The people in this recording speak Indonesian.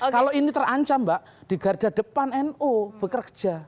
kalau ini terancam mbak di garda depan nu bekerja